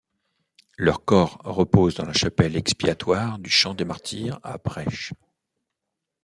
Leurs corps reposent dans la Chapelle expiatoire du Champ-des-Martyrs, à Brech.